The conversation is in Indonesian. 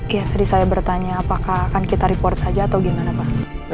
ya tadi saya bertanya apakah akan kita report saja atau gimana pak